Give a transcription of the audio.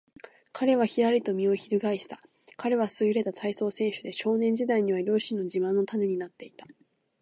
彼はひらりと身をひるがえした。彼はすぐれた体操選手で、少年時代には両親の自慢の種になっていた。